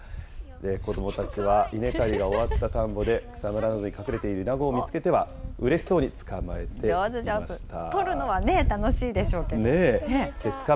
子どもたちは稲刈りが終わった田んぼで、草むらなどに隠れているイナゴを見つけては、うれしそうに捕まえていました。